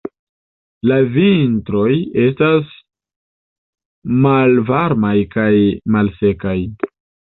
La vintroj estas malvarmaj kaj malsekaj.